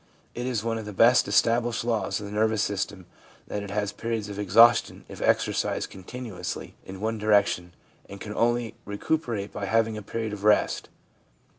It is one of the best established Jaws of the nervous system that it has periods of exhaustion if exercised continuously in one direction, and can only recuperate by having a period of rest.